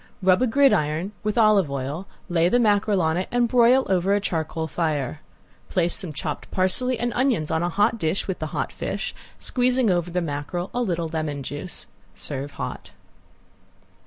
Rub a gridiron with olive oil, lay the mackerel on it and broil over a charcoal fire. Place some chopped parsley and onions on a hot dish, with the hot fish, squeezing over the mackerel a little lemon juice. Serve hot.